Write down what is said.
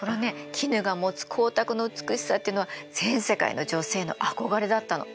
絹が持つ光沢の美しさっていうのは全世界の女性の憧れだったの。